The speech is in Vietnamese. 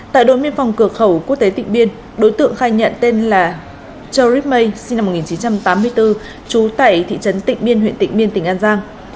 tại đội biên phòng cửa khẩu quốc tế tịnh biên đối tượng khai nhận tên là joe ripmay sinh năm một nghìn chín trăm tám mươi bốn chú tại thị trấn tịnh biên huyện tịnh biên tỉnh an giang